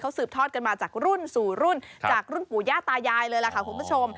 สืบทอดกันมาจากรุ่นสู่รุ่นจากรุ่นปู่ย่าตายายเลยล่ะค่ะคุณผู้ชม